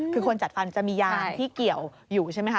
คือคนจัดฟันจะมียางที่เกี่ยวอยู่ใช่ไหมคะ